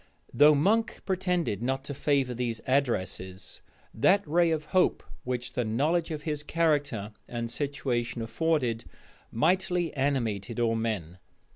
Though Monk pretended not to favor these addresses, that ray of hope which the knowledge of his character and situation afforded, mightily animated all men.